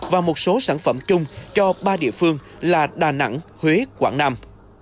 và một số sản phẩm chung cho ba địa phương là đà nẵng huế quảng nam